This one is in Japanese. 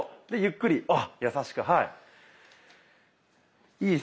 でゆっくり優しくはい。